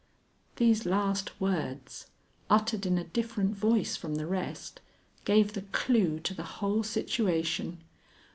These last words, uttered in a different voice from the rest, gave the clue to the whole situation.